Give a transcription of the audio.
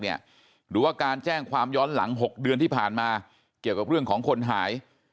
หรือว่าการแจ้งความย้อนหลัง๖เดือนที่ผ่านมาเกี่ยวกับเรื่องของคนหาย